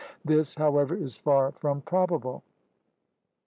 This, however, is far from probable.